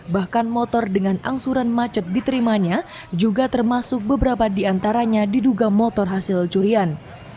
bahkan motor dengan angsuran macet diterimanya juga termasuk beberapa di antaranya diduga motor hasil curian